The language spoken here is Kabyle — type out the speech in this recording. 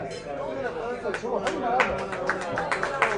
Ad d-truḥeḍ, neɣ ala?